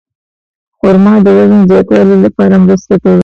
خرما د وزن زیاتولو لپاره مرسته کوي.